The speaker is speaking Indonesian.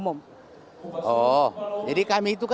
nah terkait tadi bapak sempat menyebutkan